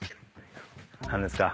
何ですか？